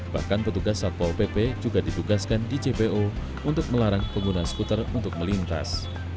bahkan petugas satpol pp juga ditugaskan di jpo untuk melarang pengguna skuter untuk melintas